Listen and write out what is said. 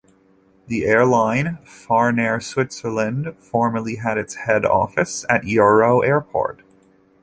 The airline Farnair Switzerland formerly had its head office at EuroAirport.